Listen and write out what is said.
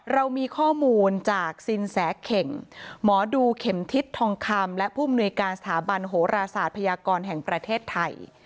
เรามีข้อมูลจากสินแสเข่งหมอดูเข็มทิศทองคำและผู้มนุยการสถาบันโหราศาสตร์พยากรแห่งประเทศไทย